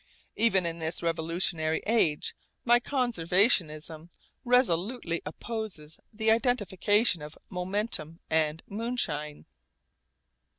Even in this revolutionary age my conservatism resolutely opposes the identification of momentum and moonshine.